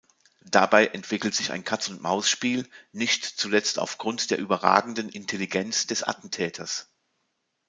Dabei entwickelt sich ein Katz-und-Maus-Spiel, nicht zuletzt aufgrund der überragenden Intelligenz des Attentäters.